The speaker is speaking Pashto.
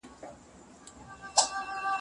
پخپله د ټولو قومونو ترمنځ د ښاري وګړو د ګډ ژوند